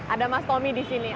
ada mas tommy di sini